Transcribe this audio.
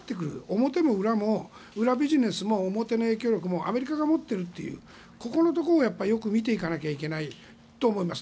表も裏のビジネスもアメリカが持っているというここのところをよく見ていかなきゃいけないと思います。